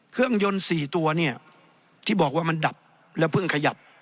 เครื่องยนต์๔ตัวเนี่ยที่บอกว่ามันดับแล้วเพิ่งขยับ